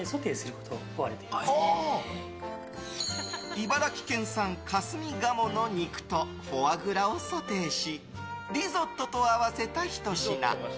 茨城県産かすみ鴨の肉とフォアグラをソテーしリゾットと合わせたひと品。